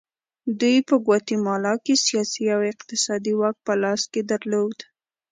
دوی په ګواتیمالا کې سیاسي او اقتصادي واک په لاس کې درلود.